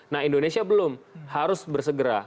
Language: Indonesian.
nah indonesia belum harus bersegera